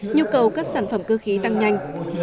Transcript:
nhu cầu các sản phẩm cơ khí tăng nhanh